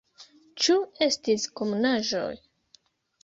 Ĉu estis komunaĵoj?